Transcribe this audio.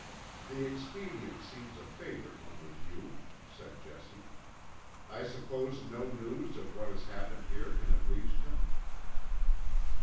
"The expedient seems a favourite one with you," said Jessie. "I suppose no news of what has happened here can have reached him?"